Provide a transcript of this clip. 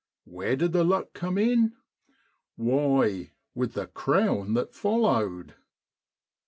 Where did the luck come in ? Why, with the crown that followed